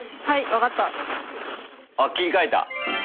あ切り替えた。